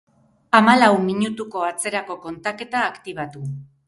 Hamalau minutuko atzerako kontaketa aktibatu.